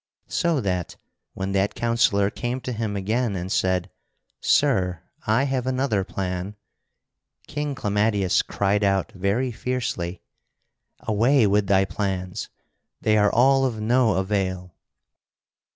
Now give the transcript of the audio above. So that, when that counsellor came to him again and said: "Sir, I have another plan," King Clamadius cried out very fiercely: "Away with thy plans! They are all of no avail."